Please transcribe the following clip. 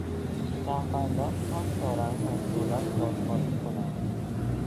شهروندان حق دارند از دولت دادخواهی کنند.